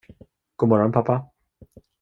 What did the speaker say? God morgon, pappa.